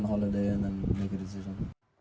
pergi berhenti dan membuat keputusan